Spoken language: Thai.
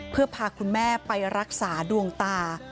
เพื่อพาคุณแม่ไปรักษาดวงตา